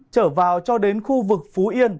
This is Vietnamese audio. trở vào cho đến khu vực phú yên